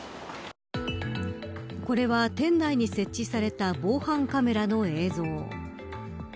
これは店内に設置された防犯カメラの映像。